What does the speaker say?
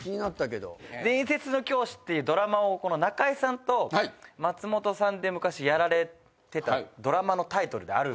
『伝説の教師』っていうドラマを中居さんと松本さんで昔やられてたドラマのタイトルであるじゃないですか。